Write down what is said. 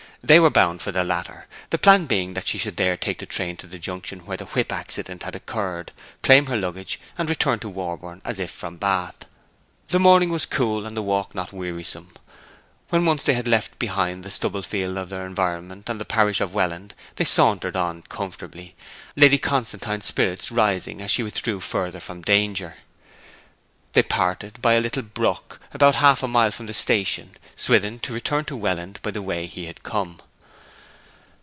They were bound for the latter; their plan being that she should there take the train to the junction where the whip accident had occurred, claim her luggage, and return with it to Warborne, as if from Bath. The morning was cool and the walk not wearisome. When once they had left behind the stubble field of their environment and the parish of Welland, they sauntered on comfortably, Lady Constantine's spirits rising as she withdrew further from danger. They parted by a little brook, about half a mile from the station; Swithin to return to Welland by the way he had come.